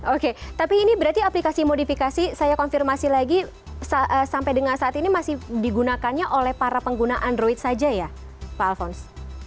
oke tapi ini berarti aplikasi modifikasi saya konfirmasi lagi sampai dengan saat ini masih digunakannya oleh para pengguna android saja ya pak alfons